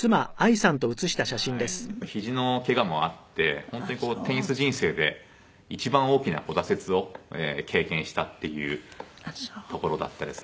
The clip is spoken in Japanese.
ひじのけがもあって本当にテニス人生で一番大きな挫折を経験したっていうところだったですね。